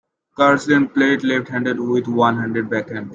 Carlsen played left-handed with a one-handed backhand.